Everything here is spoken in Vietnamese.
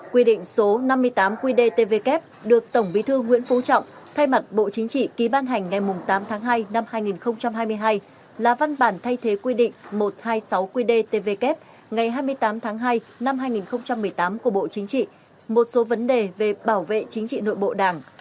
quy định số năm mươi tám qdtvk được tổng bí thư nguyễn phú trọng thay mặt bộ chính trị ký ban hành ngày tám tháng hai năm hai nghìn hai mươi hai là văn bản thay thế quy định một trăm hai mươi sáu qdtvk ngày hai mươi tám tháng hai năm hai nghìn một mươi tám của bộ chính trị một số vấn đề về bảo vệ chính trị nội bộ đảng